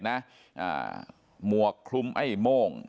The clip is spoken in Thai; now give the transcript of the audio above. หมวกคลุม้ยโม่ง